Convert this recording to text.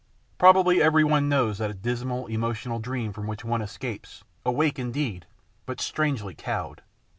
Probably everyone knows that dismal, emotional dream from which one escapes, awake indeed, but strangely cowed.